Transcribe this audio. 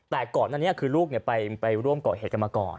แต่ก่อนอันนี้คือลูกไปร่วมก่อเหตุกันมาก่อน